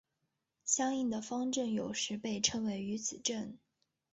相应的方阵有时被称为余子阵。